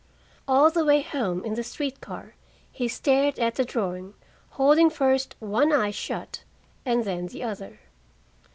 All the way home in the street car he stared at the drawing, holding first one eye shut and then the other.